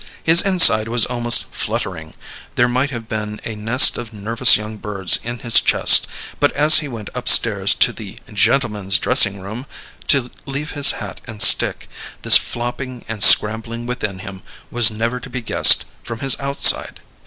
His inside was almost fluttering: there might have been a nest of nervous young birds in his chest; but as he went upstairs to the "gentlemen's dressing room," to leave his hat and stick, this flopping and scrambling within him was never to be guessed from his outside.